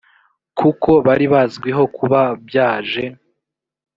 k kuko bari bazwiho kuba byaje